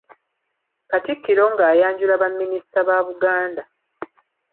Katikkiro ng'ayanjula baminisita ba Buganda.